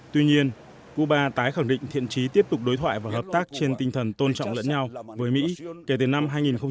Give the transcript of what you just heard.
tuy nhiên cuba tái khẳng định thiện trí tiếp tục đối thoại và hợp tác trên tinh thần tôn trọng lẫn nhau với mỹ kể từ năm hai nghìn một mươi